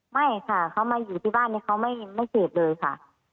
ไม่ค่ะเค้ามาอยู่ที่บ้านเนี่ยเค้าไม่เห็นไม่เกลียดเลยค่ะ